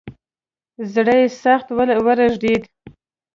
زړه یې سخت ولړزېد.